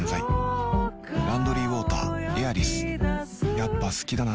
やっぱ好きだな